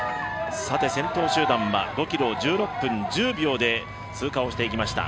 先頭集団は５ｋｍを１６分１０秒で通過していきました。